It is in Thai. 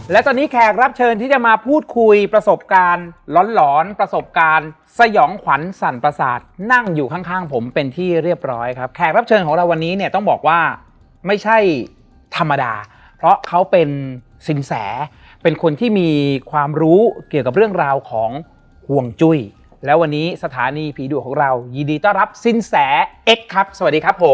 และตอนนี้แขกรับเชิญที่จะมาพูดคุยประสบการณ์หลอนหลอนประสบการณ์สยองขวัญสั่นประสาทนั่งอยู่ข้างข้างผมเป็นที่เรียบร้อยครับแขกรับเชิญของเราวันนี้เนี่ยต้องบอกว่าไม่ใช่ธรรมดาเพราะเขาเป็นสินแสเป็นคนที่มีความรู้เกี่ยวกับเรื่องราวของห่วงจุ้ยแล้ววันนี้สถานีผีดุของเรายินดีต้อนรับสินแสเอ็กซ์ครับสวัสดีครับผม